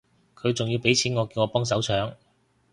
佢仲要畀錢我叫我幫手搶